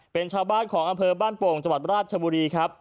เป็นชาวบ้านของอำเภอบ้านโป่งจังหวัดราชบุรีครับ